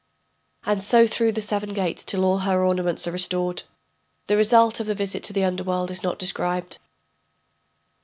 [And so through the seven gates till all her ornaments are restored. The result of the visit to the underworld is not described.